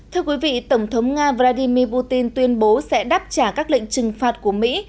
thưa quý vị tổng thống nga vladimir putin tuyên bố sẽ đáp trả các lệnh trừng phạt của mỹ